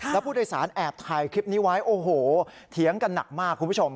แล้วผู้โดยสารแอบถ่ายคลิปนี้ไว้โอ้โหเถียงกันหนักมากคุณผู้ชม